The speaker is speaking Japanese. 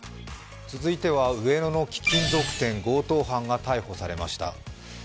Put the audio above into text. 続いては上野の貴金属店強盗犯が逮捕されました。